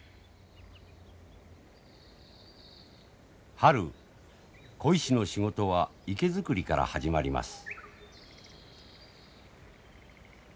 春鯉師の仕事は池作りから始まります。